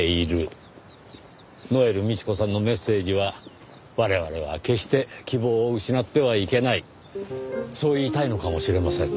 ノエル美智子さんのメッセージは我々は決して希望を失ってはいけないそう言いたいのかもしれませんねぇ。